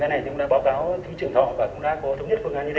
cái này cũng đã báo cáo thủ trưởng thọ và cũng đã có thống nhất phương án như thế